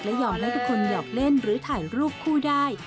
ยอมให้ทุกคนหยอกเล่นหรือถ่ายรูปคู่ได้